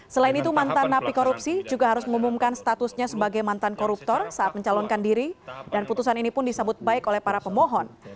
selain itu mantan napi korupsi juga harus mengumumkan statusnya sebagai mantan koruptor saat mencalonkan diri dan putusan ini pun disambut baik oleh para pemohon